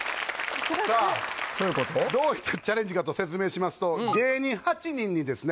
さあどういったチャレンジかと説明しますと芸人８人にですね